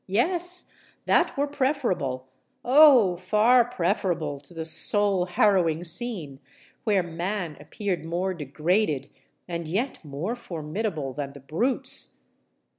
—Yes—that were preferable—oh! far preferable to the soul harrowing scene where man appeared more degraded and yet more formidable than the brutes!